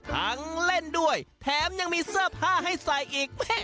ทั้งเอ็นดูทั้งเล่นด้วยแถมยังมีเสื้อผ้าให้ใส่อีก